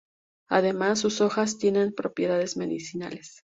Además, sus hojas tienen propiedades medicinales.